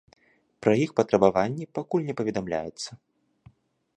Пра іх патрабаванні пакуль не паведамляецца.